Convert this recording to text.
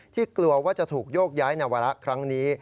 กลัวว่าจะถูกโยกย้ายในวาระครั้งนี้